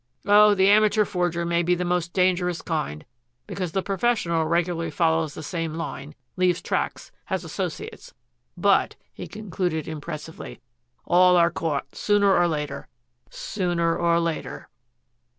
Oh, the amateur forger may be the most dangerous kind, because the professional regularly follows the same line, leaves tracks, has associates, but," he concluded impressively, "all are caught sooner or later sooner or later."